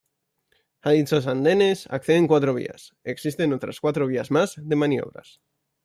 A dichos andenes acceden cuatro vías, existen otras cuatro vías más de maniobras.